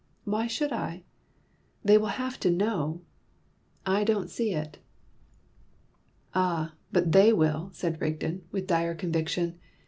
"Why should I?" "They will have to know." "I don't see it." "Ah, but they will," said Rigden, with dire conviction.